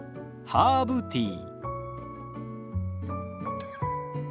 ハーブティー。